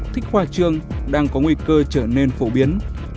thích hoa trương đang có nguy cơ trở nên phổ biến